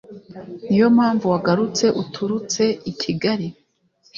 niyo mpamvu wagarutse uturutse i kigali